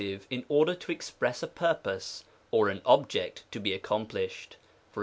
in order to express a purpose, or an object to be accom plished. jEtc.